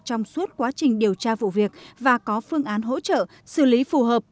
trong suốt quá trình điều tra vụ việc và có phương án hỗ trợ xử lý phù hợp